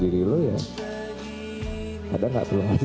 aku akan berubah